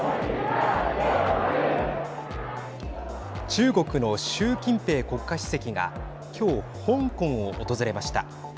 中国の習近平国家主席がきょう、香港を訪れました。